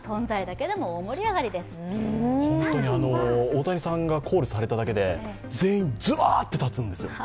大谷さんがコールされただけで、全員、ズワッと立つんですよ。